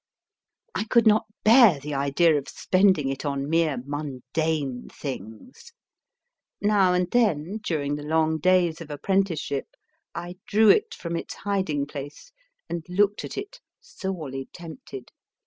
I could not bear the idea of spending it on mere mundane things. Now and then, during the long days of apprenticeship, I drew it from its hiding place and looked at it, sorely tempted.